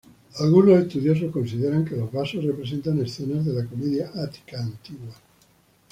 Algunos estudiosos consideran que los vasos representa escenas de la comedia ática antigua.